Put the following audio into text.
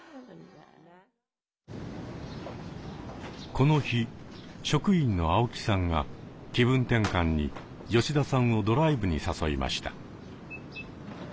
この日職員の青木さんが気分転換に吉田さんをドライブに誘いました。